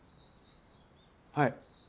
はい。